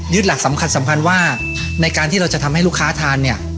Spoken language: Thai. หลักสำคัญสำคัญว่าในการที่เราจะทำให้ลูกค้าทานเนี่ย